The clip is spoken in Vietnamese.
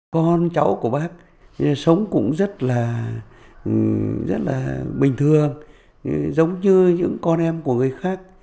con cháu của bác sống cũng rất là bình thường giống như những con em của người khác